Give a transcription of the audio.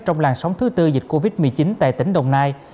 trong làn sóng thứ tư dịch covid một mươi chín tại tỉnh đồng nai